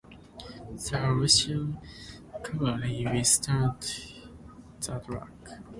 The Russian cavalry withstood the attack.